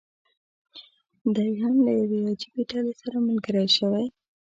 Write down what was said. دی هم له یوې عجیبي ډلې سره ملګری شوی و.